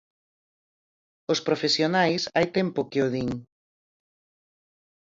Os profesionais hai tempo que o din.